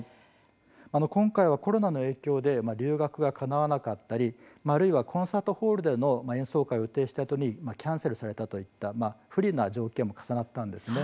今回はコロナの影響で留学がかなわなかったりコンサートホールでの演奏会を予定していたのにキャンセルしたなど不利な条件も重なったんですね。